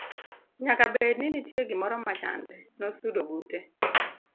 nyaka bed ni nitie gimoro machande. nosudo bute